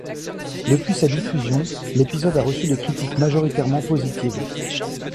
Depuis sa diffusion, l'épisode a reçu des critiques majoritairement positives.